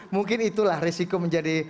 mungkin itulah risiko menjadi